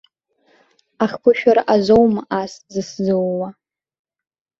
Ахԥышәара азоума ас зысзууа?